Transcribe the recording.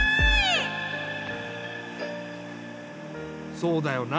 そうだよな。